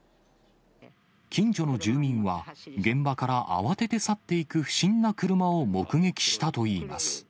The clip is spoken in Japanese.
近所の住民は、現場から慌てて去っていく不審な車を目撃したといいます。